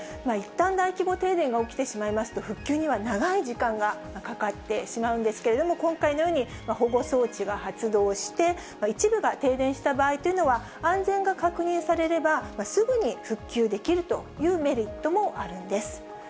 いったん大規模停電が起きてしまいますと、復旧には長い時間がかかってしまうんですけれども、今回のように、保護装置が発動して、一部が停電した場合というのは安全が確認されればすぐに復旧できるというメリットもあるんです。